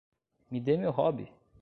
Me dê meu robe!